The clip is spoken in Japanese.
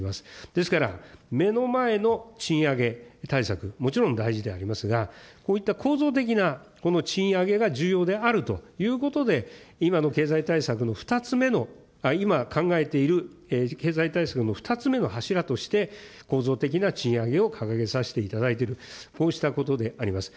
ですから、目の前の賃上げ対策、もちろん大事でありますが、こういった構造的なこの賃上げが重要であるということで、今の経済対策の２つ目の、今、考えている経済対策の２つ目の柱として、構造的な賃上げを掲げさせていただいている、こうしたことであります。